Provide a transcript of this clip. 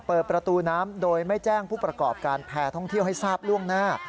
เปิดประตูน้ำโดยไม่แจ้งผู้ประกอบการแพร่ท่องเที่ยวให้ทราบล่วงหน้า